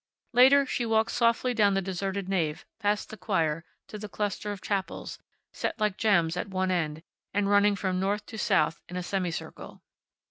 Later she walked softly down the deserted nave, past the choir, to the cluster of chapels, set like gems at one end, and running from north to south, in a semi circle.